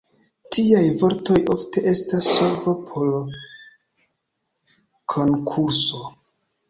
Tiaj vortoj ofte estas solvo por konkurso.